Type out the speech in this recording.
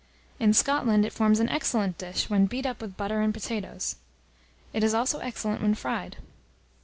In Scotland it forms an excellent dish, when beat up with butter and potatoes; it is, also, excellent when fried.